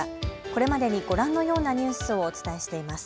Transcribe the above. これまでにご覧のようなニュースをお伝えしています。